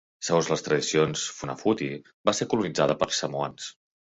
Segons les tradicions Funafuti va ser colonitzada per samoans.